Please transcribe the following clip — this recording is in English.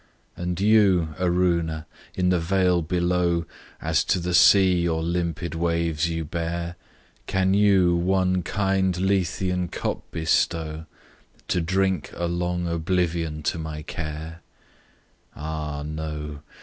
And you, Aruna! in the vale below, As to the sea your limpid waves you bear Can you one kind Lethean cup bestow, To drink a long oblivion to my care? Ah! no!